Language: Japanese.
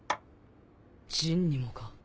ジンにもか？